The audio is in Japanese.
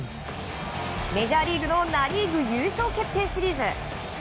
メジャーリーグのナ・リーグ優勝決定シリーズ。